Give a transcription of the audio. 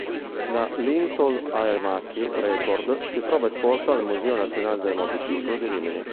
La LinTo-Aermacchi Record si trova esposta al "Museo Nazionale del Motociclo" di Rimini.